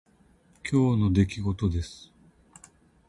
今日の出来事です。